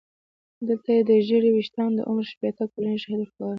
دلته یې د ږیرې ویښتانو د عمر شپېته کلنۍ شاهدي ورکوله.